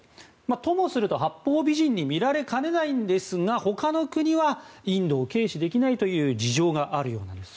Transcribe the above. ともすると八方美人に見られかねないんですがほかの国はインドを軽視できないという事情があるようです。